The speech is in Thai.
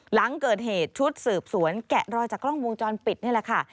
หลังเกิดเหตุชุดสืบสวนแกะรอยจากกล้องวงจรปิดนี่แหละค่ะ